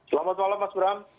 selamat malam mas bram